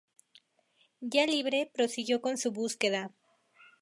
Ya libre, prosiguió con su búsqueda.